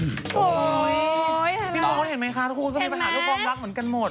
โอ้ยพี่มองเห็นมั้ยคะทุกคนก็มีปัญหาด้วยความรักเหมือนกันหมด